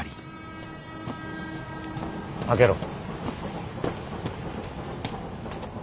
開けろ。